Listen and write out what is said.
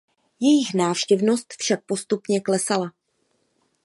Jejich návštěvnost však postupně klesala.